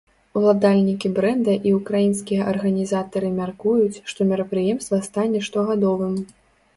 Уладальнікі брэнда і ўкраінскія арганізатары мяркуюць, што мерапрыемства стане штогадовым.